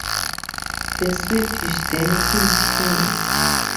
The Swedish then killed him.